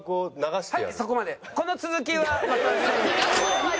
はい！